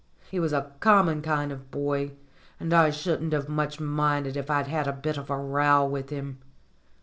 He was a common kind of boy, and I shouldn't have much minded if I'd had a bit of a row with him.